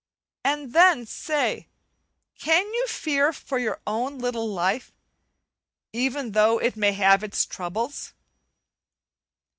And then say, can you fear for your own little life, even though it may have its troubles?